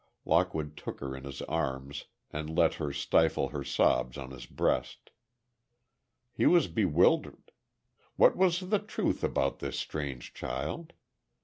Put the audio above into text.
Lockwood took her in his arms, and let her stifle her sobs on his breast. He was bewildered. What was the truth about this strange child?